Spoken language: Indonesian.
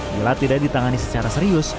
bila tidak ditangani secara serius